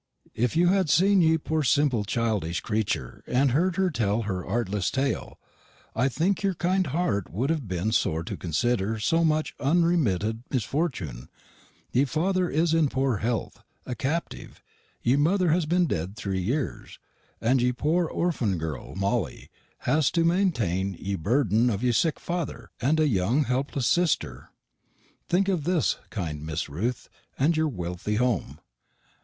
If you had scen ye pore simpel childeish creetur and heeard her tell her arteless tale, I think y'r kinde hart w'd have bin sore to considder so much unmiritted misfortun: ye father is in pore helth, a captiv, ye mother has binn dedd thre yeres, and ye pore orfann girl, Mollie, has to mentane ye burden of ye sick father, and a yung helples sister. Think of this, kinde Mrs. Ruth, in y'r welthy home.